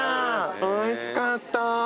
おいしかった。